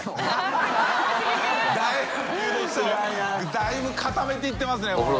だいぶ固めていってますね外枠から。